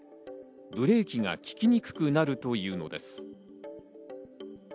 ブレーキが利きにくくなるというのです。